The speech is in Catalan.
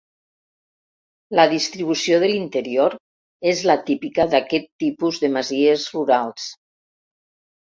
La distribució de l'interior és la típica d'aquest tipus de masies rurals.